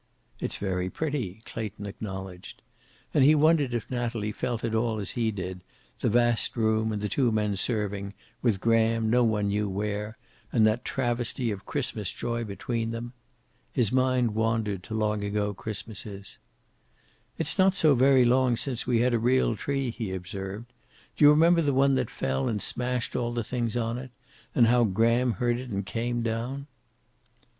"It's very pretty," Clayton acknowledged. And he wondered if Natalie felt at all as he did, the vast room and the two men serving, with Graham no one knew where, and that travesty of Christmas joy between them. His mind wandered to long ago Christmases. "It's not so very long since we had a real tree," he observed. "Do you remember the one that fell and smashed all the things on it? And how Graham heard it and came down?"